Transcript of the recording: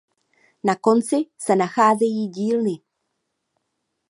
Na konci se nacházejí dílny.